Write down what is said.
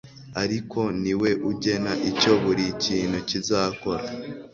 ariko ni we ugena icyo buri kintu kizakora